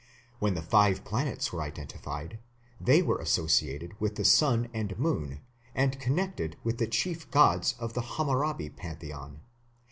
When the five planets were identified, they were associated with the sun and moon and connected with the chief gods of the Hammurabi pantheon.